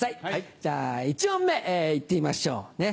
じゃあ１問目行ってみましょう。